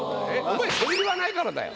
お前それ言わないからだよ